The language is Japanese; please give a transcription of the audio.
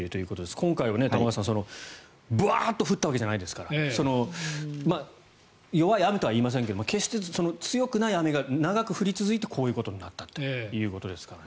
今回はバーッと降ったわけではないですから弱い雨とは言いませんが決して強くない雨が長く降り続いてこういうことになったということですからね。